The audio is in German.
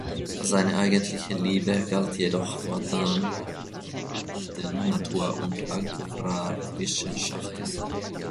Seine eigentliche Liebe galt jedoch fortan den Natur- und Agrarwissenschaften.